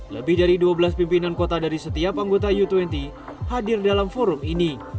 lebih dari dua belas pimpinan kota dari setiap anggota u dua puluh hadir dalam forum ini